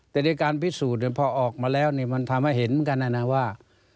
แต่ในการพิสูจน์พอออกมาแล้วมันทำให้เห็นเหมือนกันนะนะว่า